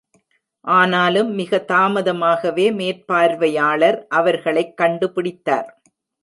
ஆனாலும் மிக தாமதமாகவே, மேற்பார்வையாளர் அவர்களைக் கண்டுபிடித்தார்.